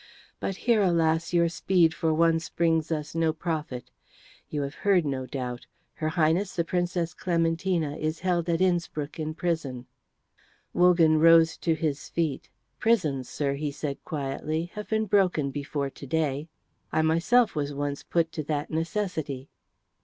But here, alas, your speed for once brings us no profit. You have heard, no doubt. Her Highness the Princess Clementina is held at Innspruck in prison." Wogan rose to his feet. "Prisons, sir," he said quietly, "have been broken before to day. I myself was once put to that necessity."